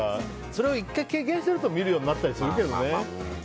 それを１回経験してると見るようになったりするけどね。